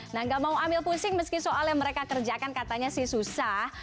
nah gak mau ambil pusing meski soal yang mereka kerjakan katanya sih susah